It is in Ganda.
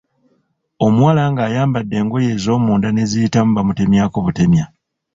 Omuwala ng’ayambadde engoye ez’omunda ne ziyitamu bamutemyako butemya.